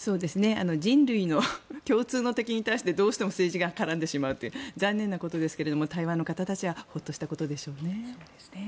人類の共通の敵に対してどうしても政治が絡んでしまうって残念なことですが台湾の方たちはホッとしたことでしょうね。